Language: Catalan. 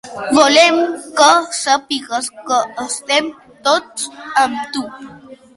Volem que sàpigues que estem tots amb tu.